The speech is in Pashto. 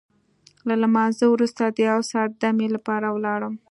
له لمانځه وروسته د یو ساعت دمې لپاره ولاړل.